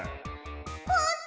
ほんと？